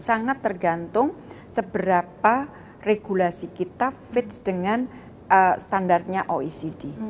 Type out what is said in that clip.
sangat tergantung seberapa regulasi kita fitch dengan standarnya oecd